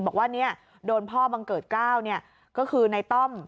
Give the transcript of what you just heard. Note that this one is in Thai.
บอกว่าโดนพ่อบังเกิด๙ก็คือในต้อม